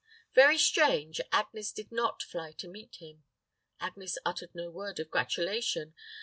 Very strange, Agnes did not fly to meet him. Agnes uttered no word of gratulation.